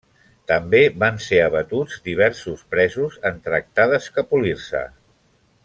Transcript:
També van ser abatuts diversos presos en tractar d'escapolir-se.